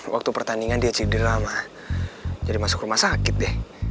waktu pertandingan dia cederama jadi masuk rumah sakit deh